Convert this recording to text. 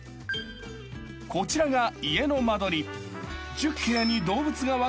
［こちらが家の間取り］